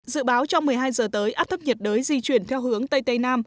dự báo trong một mươi hai giờ tới áp thấp nhiệt đới di chuyển theo hướng tây tây nam